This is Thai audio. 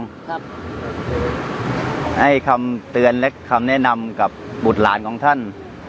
ให้คำเตือนและคำแนะนำกับบุตรหลานของท่าน